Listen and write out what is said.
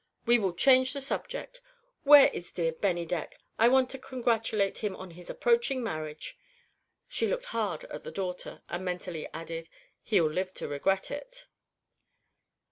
We will change the subject. Where is dear Bennydeck? I want to congratulate him on his approaching marriage." She looked hard at her daughter, and mentally added: "He'll live to regret it!"